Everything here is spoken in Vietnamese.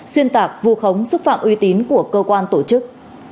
xuyên tạc vù khống xúc phạm uy tín của cơ quan tổ chức